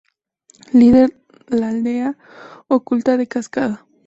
Líder la Aldea Oculta de Cascada.